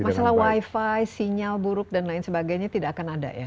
masalah wifi sinyal buruk dan lain sebagainya tidak akan ada ya